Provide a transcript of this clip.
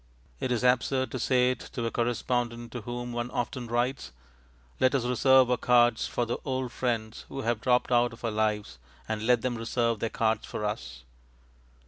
It is absurd to say it to a correspondent to whom one often writes. Let us reserve our cards for the old friends who have dropped out of our lives, and let them reserve their cards for us.